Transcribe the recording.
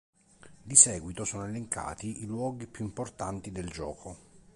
Di seguito sono elencati i luoghi più importanti del gioco.